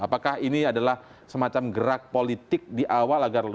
apakah ini adalah semacam gerak politik di awal agar lulus